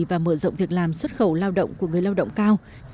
và mở rộng việc làm xuất khẩu lao động của người lao động cao